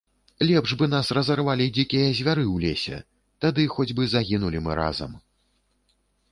- Лепш бы нас разарвалі дзікія звяры ў лесе, тады хоць бы загінулі мы разам